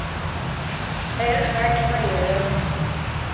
Хъер хэлъмэ, ирехъу.